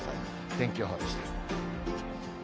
天気予報でした。